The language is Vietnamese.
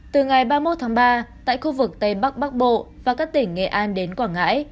từ ngày ba mươi một tháng ba tại khu vực tây bắc bắc bộ và các tỉnh nghệ an đến quảng ngãi